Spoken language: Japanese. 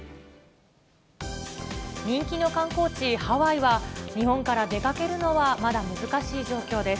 人気の観光地、ハワイは、日本から出かけるのはまだ難しい状況です。